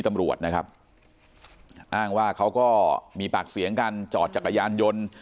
ตำรวจนะครับอ้างว่าเขาก็มีปากเสียงกันจอดจักรยานยนต์